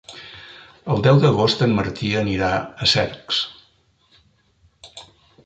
El deu d'agost en Martí anirà a Cercs.